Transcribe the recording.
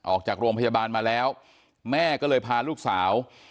ออกจากโรงพยาบาลมาแล้วแม่ก็เลยพาลูกสาว